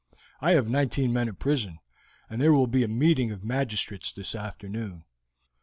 I have nineteen men in prison, and there will be a meeting of magistrates this afternoon.